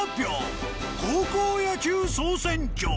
高校野球総選挙。